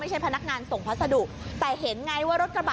อันดับสุดท้ายก็คืออันดับสุดท้าย